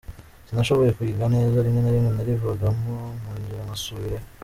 Sinashoboye kwiga neza, rimwe na rimwe narivagamo, nkongera nkasubirayo.